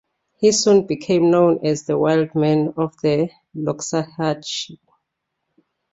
He soon became known as the "Wildman of the Loxahatchee".